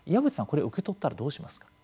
これ受け取ったらどうしますか？